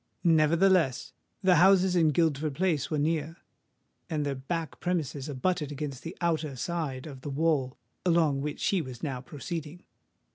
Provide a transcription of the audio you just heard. Nevertheless, the houses in Guildford Place were near; and their back premises abutted against the outer side of the wall along which he was now proceeding.